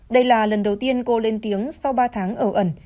đây là lần đầu tiên cô lên tiếng sau ba tháng ở ẩn